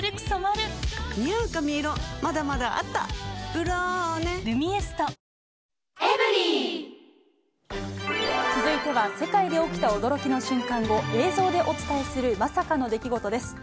「ブローネ」「ルミエスト」続いては世界で起きた驚きの瞬間を映像でお伝えするまさかの出来事です。